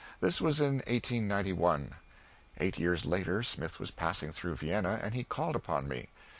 This was in 1891. Eight years later Smith was passing through Vienna, and he called upon me.